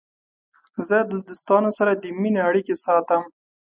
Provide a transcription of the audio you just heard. زه د دوستانو سره د مینې اړیکې ساتم.